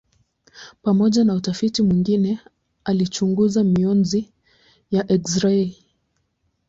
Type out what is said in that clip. Pamoja na utafiti mwingine alichunguza mionzi ya eksirei.